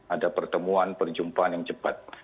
ada pertemuan perjumpaan yang cepat